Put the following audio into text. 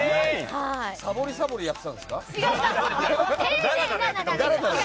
サボりサボりやってたんですか？